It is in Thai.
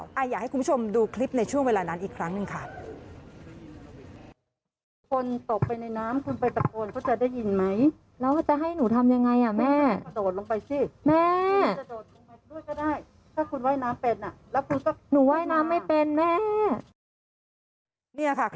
อยากให้คุณผู้ชมดูคลิปในช่วงเวลานั้นอีกครั้งหนึ่งค่ะ